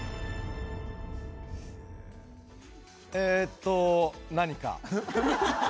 えーと、何か？